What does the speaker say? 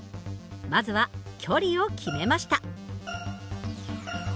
まずは距離を決めました。